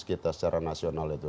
stabilitas secara nasional itu